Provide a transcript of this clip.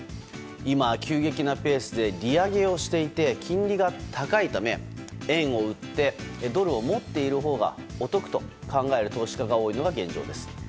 今、急激なペースで利上げをしていて金利が高いため、円を売ってドルを持っているほうがお得と考える投資家が多いのが現状です。